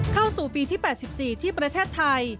เข้าสู่ปีที่๘๔ที่ประเทศไทย